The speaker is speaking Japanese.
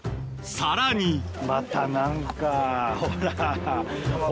さらにまた何かほら。